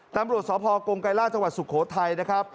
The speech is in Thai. ตามบริโรทสภกรงไกรล่าจังหวัดสุโขทัย